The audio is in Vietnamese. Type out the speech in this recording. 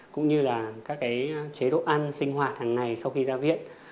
cũng như là các cái chế độ ăn sinh hoạt hàng ngày sau khi ra viện